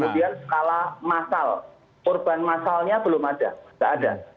kemudian skala masal kurban masalnya belum ada